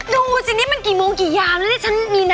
ดูสินี่มันกี่โมงกี่ยามนี่